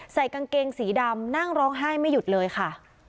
ใส่กางเกงสีดำนั่งร้องไห้ไม่หยุดเลยค่ะ